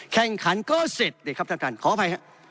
แข่งขันก็เสร็จเดี๋ยวครับท่านขออภัยครับ